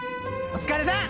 お疲れさん。